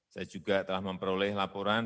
saya juga telah memperoleh laporan